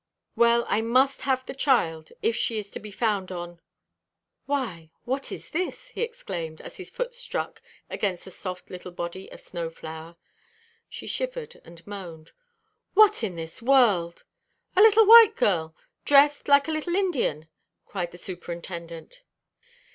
"Well, I must have the child, if she is to be found on— Why, what is this?" he exclaimed, as his foot struck against the soft little body of Snow flower. She shivered and moaned. "What in this world! a little white girl, dressed like a little Indian!" cried the superintendent.